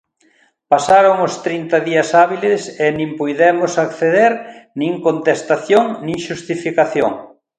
Pasaron os trinta días hábiles e nin puidemos acceder, nin contestación, nin xustificación.